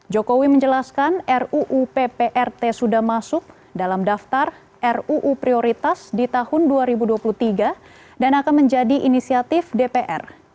jokowi menjelaskan ruu pprt sudah masuk dalam daftar ruu prioritas di tahun dua ribu dua puluh tiga dan akan menjadi inisiatif dpr